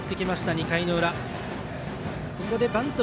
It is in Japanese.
２回の裏。